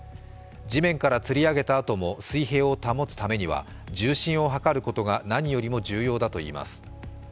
地面からつり上げたあとも水平を保つためには重心をはかることが何よりも重要だといいます